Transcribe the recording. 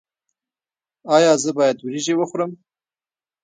ایا زه باید وریجې وخورم؟